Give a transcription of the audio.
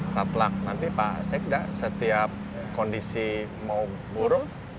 satlak nanti pak sekda setiap kondisi mau buruk